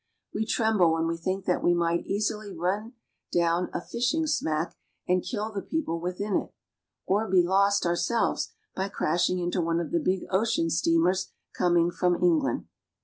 We tremble when we think that we might easily run down a fishing smack, and kill the people within it; or be lost our selves by crashing into one of the big ocean steamers com ing from England.